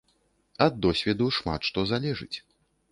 Ад досведу шмат што залежыць.